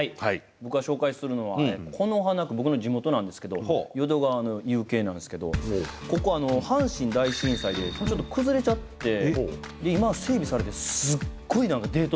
僕が紹介するのは淀川の夕景なんですけどここ阪神大震災でちょっと崩れちゃって今整備されてすっごい何かデート